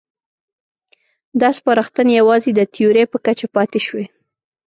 دا سپارښتنې یوازې د تیورۍ په کچه پاتې شوې.